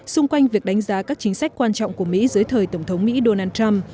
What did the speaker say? xung quanh việc đánh giá các chính sách quan trọng của mỹ dưới thời tổng thống mỹ donald trump